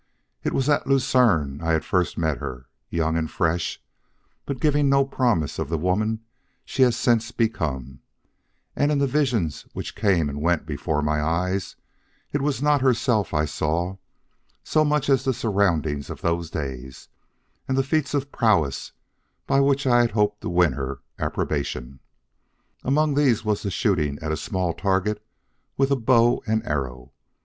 It was at Lucerne I had first met her, young and fresh, but giving no promise of the woman she has since become; and in the visions which came and went before my eyes, it was not herself I saw so much as the surroundings of those days, and the feats of prowess by which I had hoped to win her approbation. Among these was the shooting at a small target with a bow and arrow.